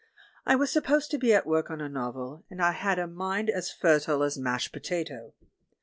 I was supposed to be at work on a novel, and I had a mind as fertile as mashed potato.